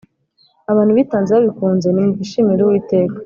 abantu bitanze babikunze Nimubishimire Uwiteka